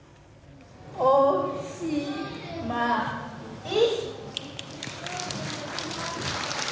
おしまい。